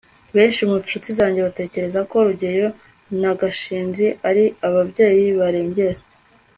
benshi mu nshuti zanjye batekereza ko rugeyo na gashinzi ari ababyeyi barengera